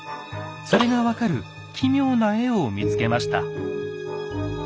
それが分かる奇妙な絵を見つけました。